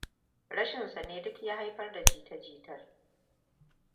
Rashinsa ne duk ya haifar da jita jitar.